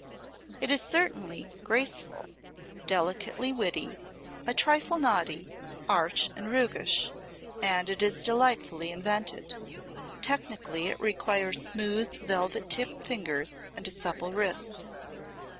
It is certainly graceful, delicately witty, a trifle naughty, arch and roguish, and it is delightfully invented. Technically, it requires smooth, velvet tipped fingers and a supple wrist.